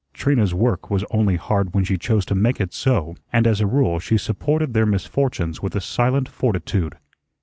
Trina's work was only hard when she chose to make it so, and as a rule she supported their misfortunes with a silent fortitude.